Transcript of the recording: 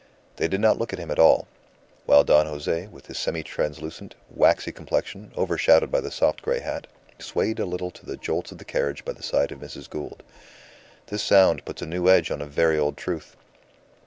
They did not look at him at all; while Don Jose, with his semi translucent, waxy complexion, overshadowed by the soft grey hat, swayed a little to the jolts of the carriage by the side of Mrs. Gould. "This sound puts a new edge on a very old truth."